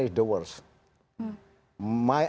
itu kalau gitu filsafat itu